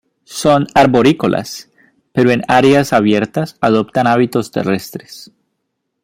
Son arborícolas, pero en áreas abierta adoptan hábitos terrestres.